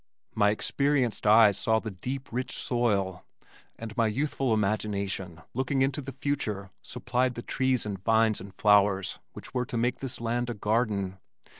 My experienced eyes saw the deep, rich soil, and my youthful imagination looking into the future, supplied the trees and vines and flowers which were to make this land a garden.